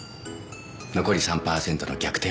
残り３パーセントの逆転